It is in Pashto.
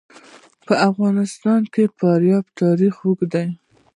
په افغانستان کې د فاریاب تاریخ اوږد دی.